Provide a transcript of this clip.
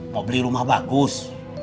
mau beli rumah bagus